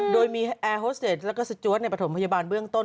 โดยมีแอร์โฮสเตจแล้วก็สจวดในประถมพยาบาลเบื้องต้น